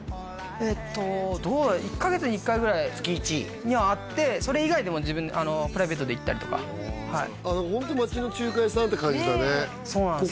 えっと１カ月に１回ぐらいにはあってそれ以外でもプライベートで行ったりとかホント街の中華屋さんって感じだねそうなんすよ